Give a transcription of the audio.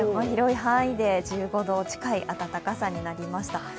広い範囲で１５度近い暖かさになりました。